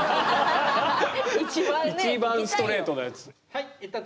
一番ストレートなやつ。